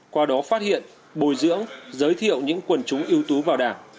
qua đó phát hiện bồi dưỡng giới thiệu những quần chúng yếu tố vào đảng